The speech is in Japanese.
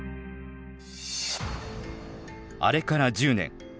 あれから１０年。